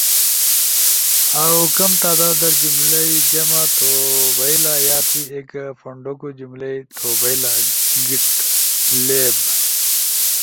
ُو کم تعداد در جملئی جمع توبھئیلایا تُو ایک پھونڈوگو جملئی تھوبھئیلا گٹ لیب۔